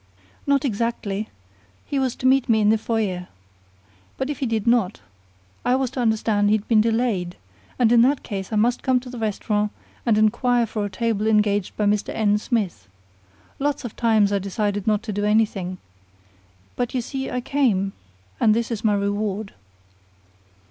"Not exactly. He was to meet me in the foyer. But if he did not, I was to understand he'd been delayed; and in that case I must come to the restaurant and inquire for a table engaged by Mr. N. Smith. Lots of times I decided not to do anything. But you see I came, and this is my reward."